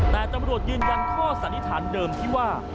แต่ตำรวจยืนยันข้อสันนิษฐานเดิมที่ว่า